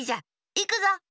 いくぞ。